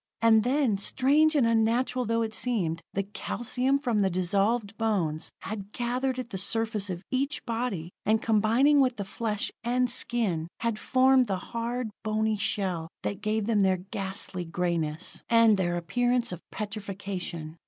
And then, strange and unnatural though it seemed, the calcium from the dissolved bones had gathered at the surface of each body, and combining with the flesh and skin, had formed the hard, bony shell that gave them their ghastly grayness, and their appearance of petrification.